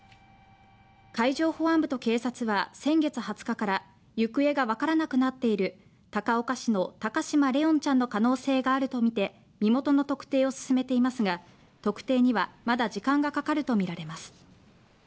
海上保安部と警察は先月２０日から行方がわからなくなっている高岡市の高嶋怜音ちゃんの可能性があると見て身元の特定を進めていますが特定にはまだ時間がかかると見られます